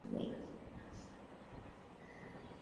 ওরা এটা জানে।